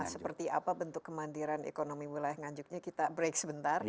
iya nah seperti apa bentuk kemandiran ekonomi wilayah nganjung nya kita break sebentar